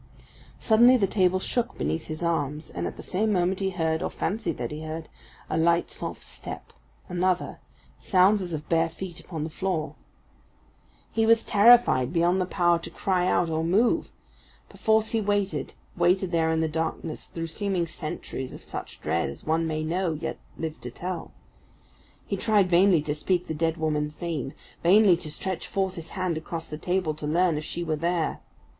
Suddenly the table shook beneath his arms, and at the same moment he heard, or fancied that he heard, a light, soft step another sounds as of bare feet upon the floor! He was terrified beyond the power to cry out or move. Perforce he waited waited there in the darkness through seeming centuries of such dread as one may know, yet live to tell. He tried vainly to speak the dead woman's name, vainly to stretch forth his hand across the table to learn if she were there.